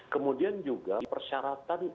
kemudian juga persyaratan